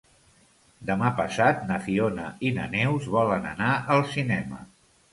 Demà passat na Fiona i na Neus volen anar al cinema.